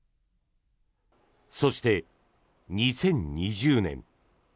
そして、２０２０年。